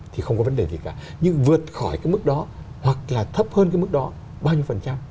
thì không có vấn đề gì cả nhưng vượt khỏi cái mức đó hoặc là thấp hơn cái mức đó bao nhiêu phần trăm